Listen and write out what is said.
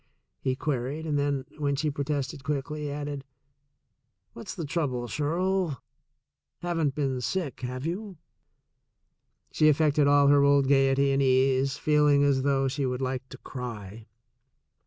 he queried, and then, when she protested quickly, added: "What's the trouble, Shirl? Haven't been sick, have you?" She affected all her old gaiety and ease, feeling as though she would like to cry.